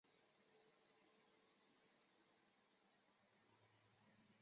另有网络版爱词霸。